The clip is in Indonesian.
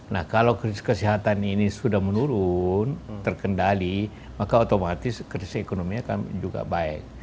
nah kalau krisis kesehatan ini sudah menurun terkendali maka otomatis krisis ekonomi akan juga baik